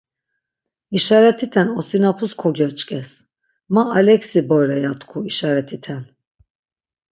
işaret̆iten osinapus ko goçkes. Ma Alex'i bore ya tku işaretiten .